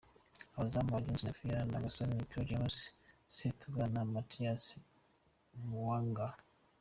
Abazamu : Alionzi Nafian Legason, Cleo James Setuba na Mathias Muwanga